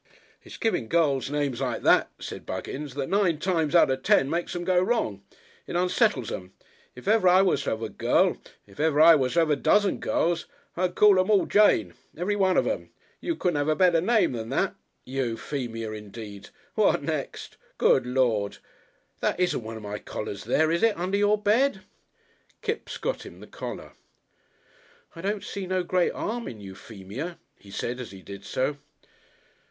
"It's giving girls names like that," said Buggins, "that nine times out of ten makes 'em go wrong. It unsettles 'em. If ever I was to have a girl, if ever I was to have a dozen girls, I'd call 'em all Jane. Every one of 'em. You couldn't have a better name than that. Euphemia indeed! What next?... Good Lord!... That isn't one of my collars there, is it? under your bed?"... Kipps got him the collar. "I don't see no great 'arm in Euphemia," he said as he did so.